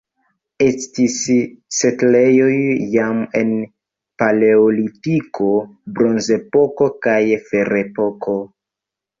Estis setlejoj jam en Paleolitiko, Bronzepoko kaj Ferepoko.